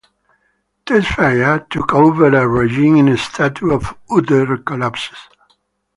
Tesfaye took over a regime in a state of utter collapse.